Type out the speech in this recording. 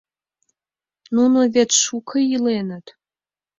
Нуно вет шуко иленыт.